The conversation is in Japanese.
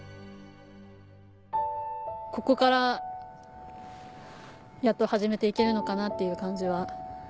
ここからやっと始めて行けるのかなっていう感じは。